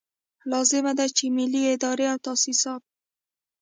لازمه ده چې ملي ادارې او تاسیسات.